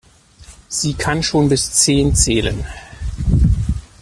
Sie kann schon bis Zehn zählen.